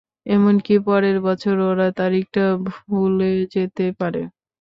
এমনকি পরের বছর ওরা তারিখটাও ভুলে যেতে পারে।